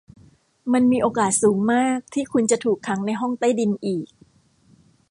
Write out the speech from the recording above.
มันมีโอกาสสูงมากที่คุณจะถูกขังในห้องใต้ดินอีก